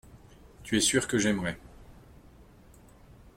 Tu es sûr que j’aimerais.